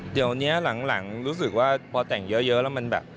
เดี๋ยวนี้หลังรู้สึกว่าพอแต่งเยอะแล้วมันแบบ